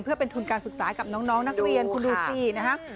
เพื่อเป็นทุนการศึกษากับน้องนักเรียนคุณดูสินะฮะ